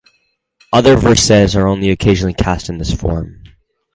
Other versets are only occasionally cast in this form.